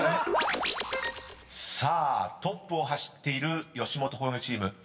［さあトップを走っている吉本興業チーム］